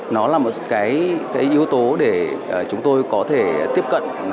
nó là một cái yếu tố để chúng tôi có thể tiếp cận